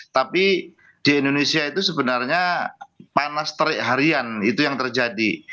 tapi di indonesia itu sebenarnya panas terik harian itu yang terjadi